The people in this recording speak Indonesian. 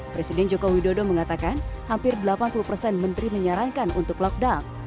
presiden joko widodo mengatakan hampir delapan puluh persen menteri menyarankan untuk lockdown